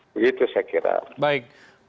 begitu saya kira